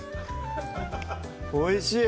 おいしい！